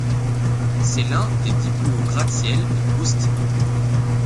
C'est l'un des dix plus haut gratte-ciel de Austin.